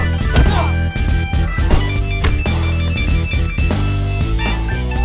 kau harus hafal penuh ya